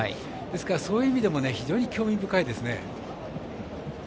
ですから、そういう意味でも非常に興味深いですね。